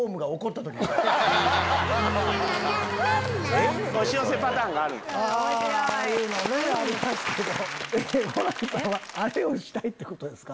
ホランさんはあれをしたいってことですか？